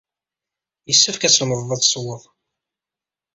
Yessefk ad tlemded ad tessewwed.